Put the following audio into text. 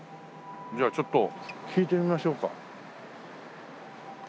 じゃあちょっと聞いてみましょうか。